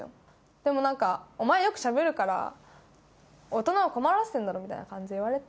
でもなんか「お前よくしゃべるから大人を困らせてるだろ」みたいな感じで言われて。